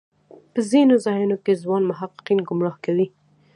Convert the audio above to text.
په ځینو ځایونو کې ځوان محققین ګمراه کوي.